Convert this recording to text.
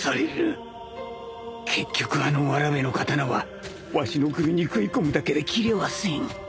結局あのわらべの刀はわしの首に食い込むだけで斬れはせん